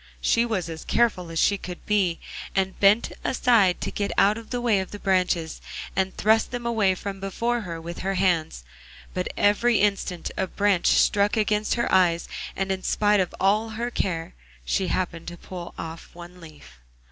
She was as careful as she could be, and bent aside to get out of the way of the branches, and thrust them away from before her with her hands; but every instant a branch struck against her eyes, and in spite of all her care, she happened to pull off one leaf.